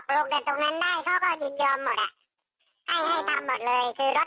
เพราะสติ๊กนี่มันถ้าถ้าสามารถตกลงกันตรงนั้นได้เขาก็ยินยอมหมดอ่ะให้ให้ทำหมดเลย